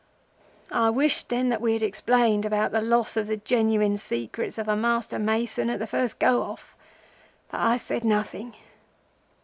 "'I wished then that we had explained about the loss of the genuine secrets of a Master Mason at the first go off; but I said nothing.